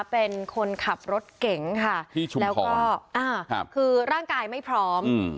เป็นคนขับรถเก๋งค่ะแล้วก็คือร่างกายไม่พร้อม